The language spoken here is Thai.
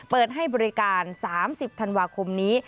เปิดให้บริการ๓๐ธันวาคมนี้